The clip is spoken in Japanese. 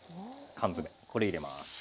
缶詰これ入れます。